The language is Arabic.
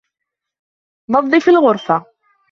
نظف الغرفة.